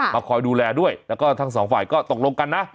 คอยดูแลด้วยแล้วก็ทั้งสองฝ่ายก็ตกลงกันนะ